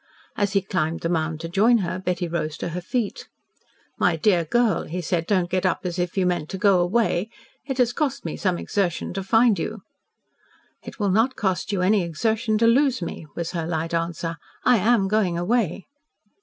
As he climbed the mound to join her, Betty rose to her feet. "My dear girl," he said, "don't get up as if you meant to go away. It has cost me some exertion to find you." "It will not cost you any exertion to lose me," was her light answer. "I AM going away."